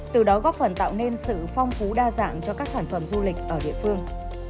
từ đó góp phần tạo nên sự phong phú đa dạng cho các sản phẩm du lịch ở địa phương